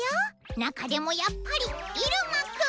中でもやっぱりイルマくん！